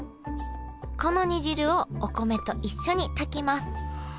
この煮汁をお米と一緒に炊きます